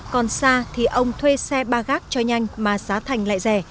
còn xa thì ông thuê xe ba gác cho nhanh mà giá thành lại rẻ